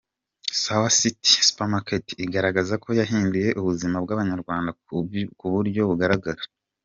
Sawa citi Supermarket igaragaza ko yahinduye ubuzima bw’Abanyarwanda ku buryo bugaragara.